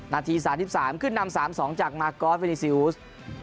นาที๓๓ขึ้นนำ๓๒จากมากอสเวนิซิลส